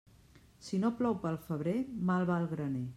Si no plou pel febrer, mal va el graner.